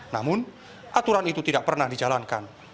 namun aturan itu tidak pernah dijalankan